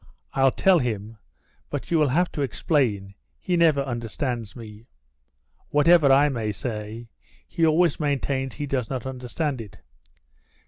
I'll tell him, but you will have to explain, he never understands me. Whatever I may say, he always maintains he does not understand it.